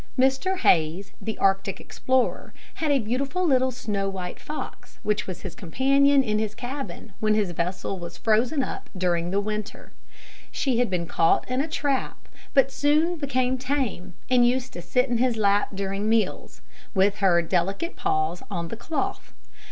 Mr Hayes, the Arctic explorer, had a beautiful little snow white fox, which was his companion in his cabin when his vessel was frozen up during the winter. She had been caught in a trap, but soon became tame, and used to sit in his lap during meals, with her delicate paws on the cloth.